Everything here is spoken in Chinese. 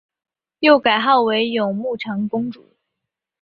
又改号为雍穆长公主。